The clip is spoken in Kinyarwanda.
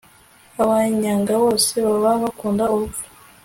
abanyanga bose baba bakunda urupfu